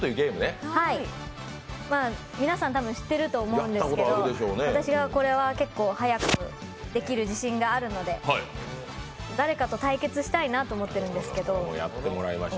皆さん多分、知っていると思うんですけど私がこれは結構速くできる自信があるので誰かと対決したいなと思ってるんですけど。